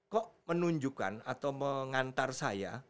kok menunjukkan atau mengantar saya